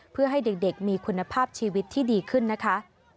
เพื่อให้เด็กมีคุณภาพชีวิตที่ดีขึ้นนะคะ